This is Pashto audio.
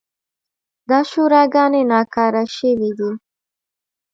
دا شوراګانې ناکاره شوې دي.